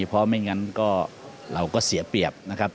เพราะไม่งั้นก็เราก็เสียเปรียบนะครับ